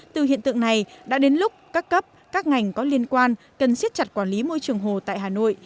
từ hiện tượng này đã đến lúc các cấp các ngành có liên quan cần siết chặt quản lý môi trường hồ tại hà nội